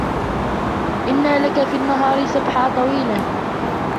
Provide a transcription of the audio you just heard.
إن لك في النهار سبحا طويلا